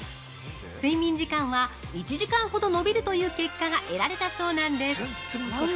睡眠時間は１時間ほど延びるという結果が得られたそうなんです。